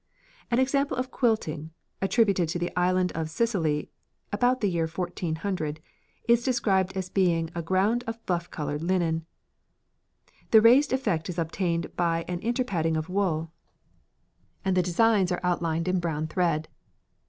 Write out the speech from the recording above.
An example of quilting, attributed to the Island of Sicily about the year 1400, is described as being a ground of buff coloured linen. The raised effect is obtained by an interpadding of wool, and the designs are outlined in brown thread.